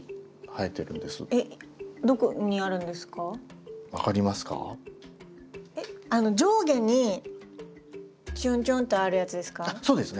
えっあの上下にちょんちょんってあるやつですか？